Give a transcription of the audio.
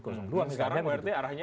sekarang berarti arahnya